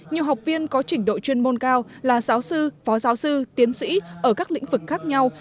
nhiều học viên có trình độ chuyên môn cao là giáo sư phó giáo sư tiến sĩ ở các lĩnh vực khác nhau